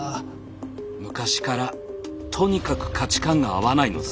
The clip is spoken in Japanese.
昔からとにかく価値観が合わないのだ。